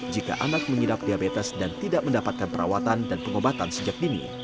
jika anak mengidap diabetes dan tidak mendapatkan perawatan dan pengobatan sejak dini